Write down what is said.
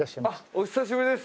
お久しぶりです。